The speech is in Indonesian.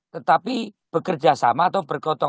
tetapi bekerja sama atau bergotong